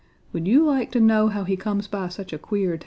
Would you like to know how he comes by such a queer tail?"